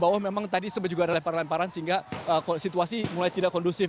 bahwa memang tadi sempat juga ada lempar lemparan sehingga situasi mulai tidak kondusif